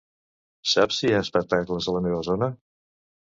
Saps si hi ha espectacles a la meva zona?